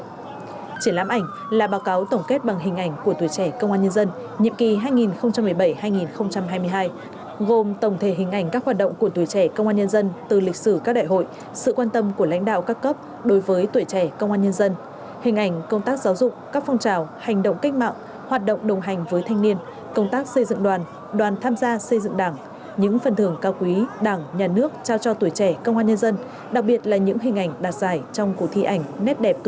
triển lãm ảnh là báo cáo tổng kết bằng hình ảnh của tuổi trẻ công an nhân dân nhiệm kỳ hai nghìn một mươi bảy hai nghìn hai mươi hai gồm tổng thể hình ảnh các hoạt động của tuổi trẻ công an nhân dân từ lịch sử các đại hội sự quan tâm của lãnh đạo các cấp đối với tuổi trẻ công an nhân dân hình ảnh công tác giáo dục các phong trào hành động cách mạng hoạt động đồng hành với thanh niên công tác xây dựng đoàn đoàn tham gia xây dựng đảng những phần thường cao quý đảng nhà nước trao cho tuổi trẻ công an nhân dân đặc biệt là những hình ảnh đạt giải trong cuộc